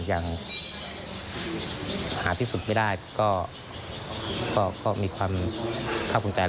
อย่างหาที่สุดไม่ได้ก็มีความข้าวคุมใจ